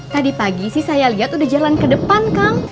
tadi pagi sih saya lihat udah jalan ke depan kang